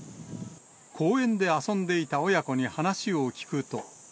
公園で遊んでいた親子に話を聞くと。